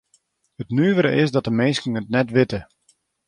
It nuvere is dat de minsken it net witte.